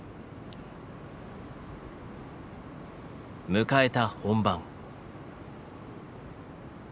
迎えた本番。